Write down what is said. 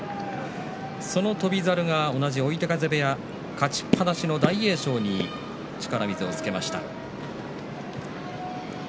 その翔猿が同じ追手風部屋、勝ちっぱなしの大栄翔に力水をつけました。